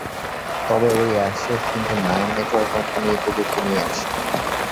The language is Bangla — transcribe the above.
তবে ঐ অ্যাশেজ কিন্তু নাইন নেটওয়ার্ক কোম্পানি এই প্রযুক্তি নিয়ে আসে।